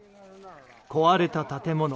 壊れた建物。